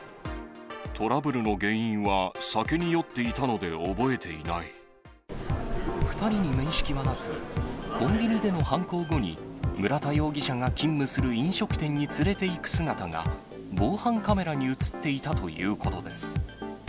トラブルの原因は、酒に酔っ２人に面識はなく、コンビニでの犯行後に、村田容疑者が勤務する飲食店に連れていく姿が、防犯カメラに写っていたということです。